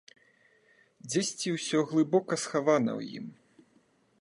Дзесьці ўсё глыбока схавана ў ім.